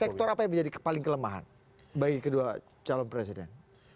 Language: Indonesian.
sektor apa yang menjadi paling kelemahan bagi kedua calon presiden